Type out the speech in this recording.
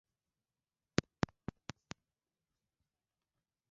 ni vyema kupika kwa mda mfupi matembele ili yawe na virutubisho